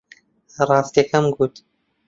ڕاستییەکەم گوت.